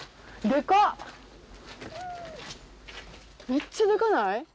めっちゃデカない？